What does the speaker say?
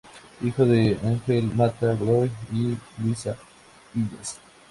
Hijo de Ángel Mata Godoy y Luisa Illas.